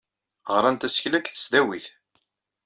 Ɣran tasekla deg tesdawit.